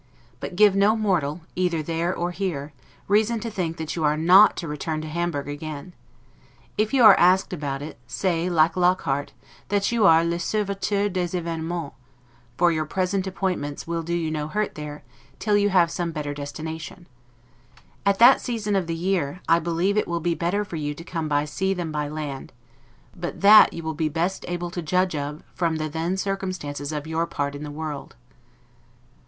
But give no mortal, either there or here, reason to think that you are not to return to Hamburg again. If you are asked about it, say, like Lockhart, that you are 'le serviteur des Evenemens'; for your present appointments will do you no hurt here, till you have some better destination. At that season of the year, I believe it will be better for you to come by sea than by land, but that you will be best able to judge of from the then circumstances of your part in the world.